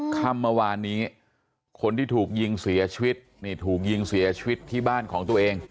ค่ำเมื่อวานนี้คนที่ถูกยิงเสียชีวิตนี่ถูกยิงเสียชีวิตที่บ้านของตัวเอง